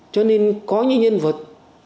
cho nên có những nhân vật